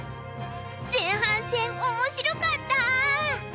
前半戦面白かった！